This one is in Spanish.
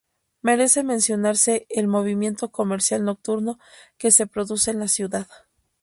Merece mencionarse el movimiento comercial nocturno que se produce en la ciudad.